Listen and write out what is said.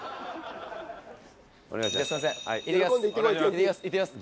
じゃあすいません行ってきます。